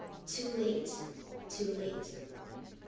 Too late, too late."